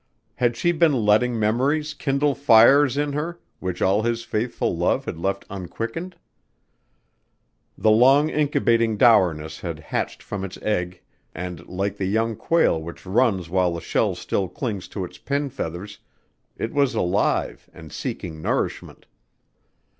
Had she been letting memories kindle fires in her which all his faithful love had left unquickened? The long incubating dourness had hatched from its egg and, like the young quail which runs while the shell still clings to its pin feathers, it was alive and seeking nourishment.